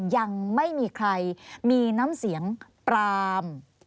ยังไม่มีใครมีน้ำเสียงปราม